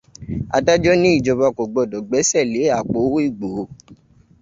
Adájọ́ ní ìjọba kò gbọdọ̀ gbẹ́sẹ̀ lé àpò owó Ìgbòho.